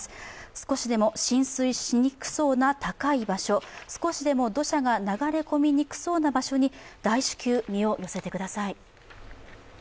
少しでも浸水しにくそうな高い場所、少しでも土砂が流れ込みにくそうな場所に大至急、身を寄せてください。